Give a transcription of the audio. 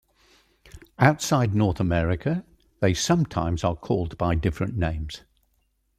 Outside North America, they sometimes are called by different names.